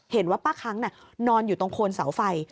เห็นว่าป้าค้างนอนอยู่ตรงโคนเสาไฟ